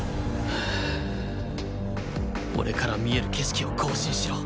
俺から見える景色を更新しろ